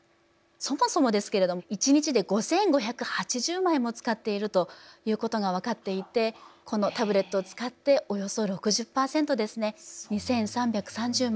そもそもですけれども１日で５，５８０枚も使っているということが分かっていてこのタブレットを使っておよそ６０％ですね２，３３０枚。